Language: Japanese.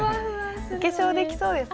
お化粧できそうですね。